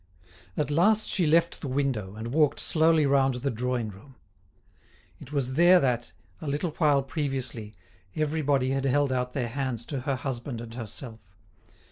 At last she left the window, and walked slowly round the drawing room. It was there that, a little while previously, everybody had held out their hands to her husband and herself.